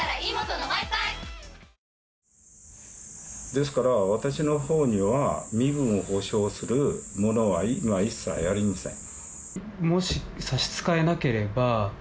ですから私のほうには身分を保証するものは一切ありません。